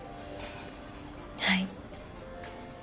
はい。